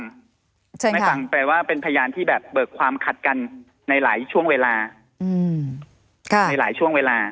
ไม่ฟังแปลว่าเป็นพยานที่แบบเบิกความขัดกันในหลายช่วงเวลาในหลายช่วงเวลา